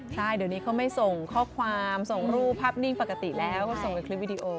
ใช่เดี๋ยวนี้เขาไม่ส่งข้อความส่งรูปภาพนิ่งปกติแล้วก็ส่งเป็นคลิปวิดีโอ